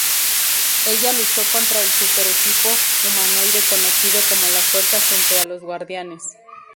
Ella luchó contra el super-equipo humanoide conocido como la Fuerza junto a los Guardianes.